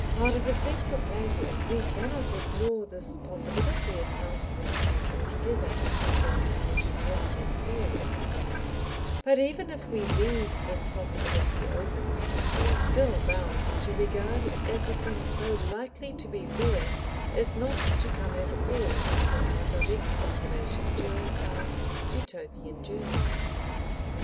Out of respect for Plato we cannot ignore this possibility of multiple marriage altogether in our Utopian theorising, but even if we leave this possibility open we are still bound to regard it as a thing so likely to be rare as not to come at all under our direct observation during our Utopian journeyings.